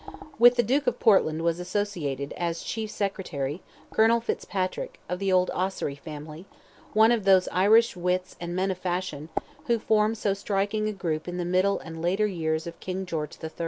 With the Duke of Portland was associated, as Chief Secretary, Colonel Fitzpatrick, of the old Ossory family, one of those Irish wits and men of fashion, who form so striking a group in the middle and later years of King George III.